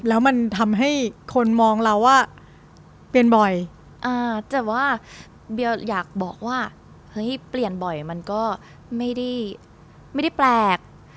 แล้วมันทำให้คนมองเราว่าเปลี่ยนบ่อยแต่ว่าเบียอยากบอกว่าเฮ้ยเปลี่ยนบ่อยมันก็ไม่ได้แปลก